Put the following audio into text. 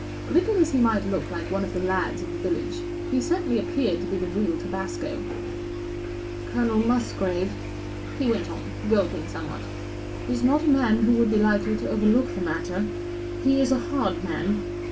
Little as he might look like one of the lads of the village, he certainly appeared to be the real tabasco. "Colonel Musgrave," he went on, gulping somewhat, 44 is not a man who would be likely to overlook the matter. He is a hard man.